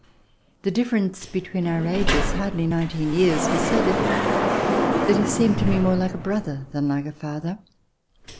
The difference between our ages, hardly nineteen years, was so little, that he seemed to me more like a brother than like a father.